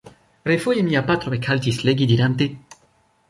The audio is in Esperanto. Refoje mia patro ekhaltis legi, dirante: